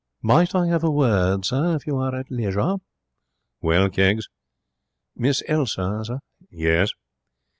'Might I have a word, sir, if you are at leisure?' 'Well, Keggs?' 'Miss Elsa, sir.' 'Yes?'